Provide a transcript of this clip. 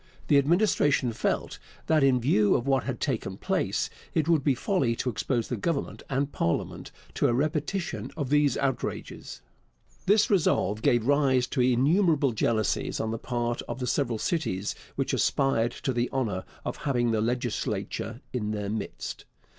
The Administration felt that, in view of what had taken place, it would be folly to expose the Government and parliament to a repetition of these outrages. This resolve gave rise to innumerable jealousies on the part of the several cities which aspired to the honour of having the legislature in their midst.